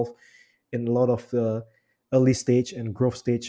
peringkat awal dan peringkat perkembangan